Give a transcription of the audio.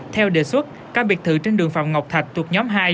theo đề xuất các biệt thự trên đường phạm ngọc thạch thuộc nhóm hai